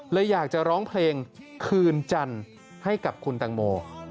เลยอยากจะร้องเพลงคืนจันทร์ให้กับคุณตังโม